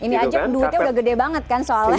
ini aja duitnya udah gede banget kan soalnya